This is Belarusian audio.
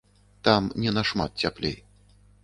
Там не нашмат цяплей.